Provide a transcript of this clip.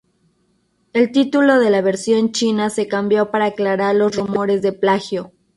El título de la versión china se cambió para aclarar los rumores de plagio.